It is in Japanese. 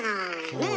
ねえ？